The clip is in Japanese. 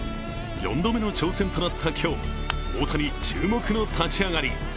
４度目の挑戦となった今日大谷、注目の立ち上がり。